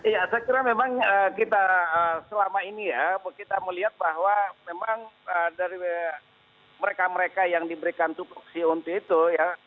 ya saya kira memang kita selama ini ya kita melihat bahwa memang dari mereka mereka yang diberikan tukoksi untuk itu ya